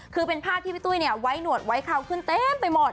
คือเป็นภาพที่พี่ตุ้ยเนี่ยไว้หนวดไว้เขาขึ้นเต็มไปหมด